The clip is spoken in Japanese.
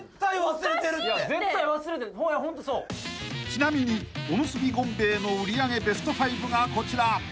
［ちなみにおむすび権米衛の売り上げベスト５がこちら］